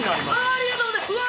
ありがとうございますうわ！